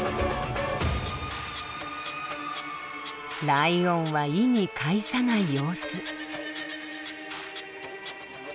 ライオンは意に介さない様子。